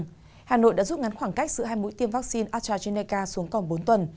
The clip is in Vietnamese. trước tình hình dịch bệnh căng thẳng hà nội đã rút ngắn khoảng cách giữa hai mũi tiêm vaccine astrazeneca xuống còn bốn tuần